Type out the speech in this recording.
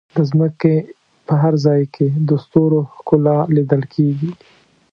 د ځمکې په هر ځای کې د ستورو ښکلا لیدل کېږي.